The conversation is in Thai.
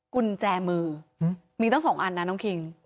กุญแจมือมีตั้ง๒อันนะน้องคิง